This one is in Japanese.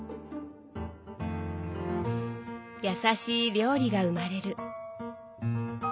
優しい料理が生まれる。